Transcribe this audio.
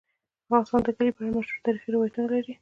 افغانستان د کلي په اړه مشهور تاریخی روایتونه لري.